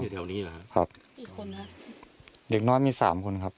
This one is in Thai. เล่นอยู่แถวนี้เหรอครับครับอีกคนครับเด็กน้อยมีสามคนครับ